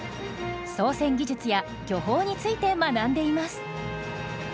操船技術や漁法について学んでいます。